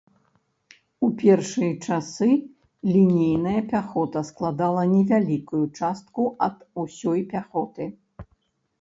У першыя часы лінейная пяхота складала невялікую частку ад усёй пяхоты.